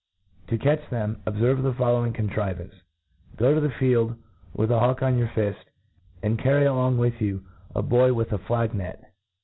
To catch tiiem, obfcrve the following contrivance : Go to the field with a hawk o^ your fift, and car ry along with you a boy with a flag net.